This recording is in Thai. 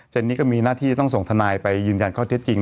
นี่ก็มีหน้าที่ต้องส่งทนายไปยืนยันข้อเท็จจริง